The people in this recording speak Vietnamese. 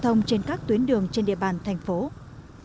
chúng ta xin thức kiến đồng chí giám đốc và cục giao thông báo về vi phạm